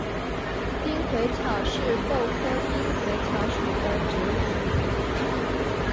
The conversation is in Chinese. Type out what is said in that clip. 丁癸草是豆科丁癸草属的植物。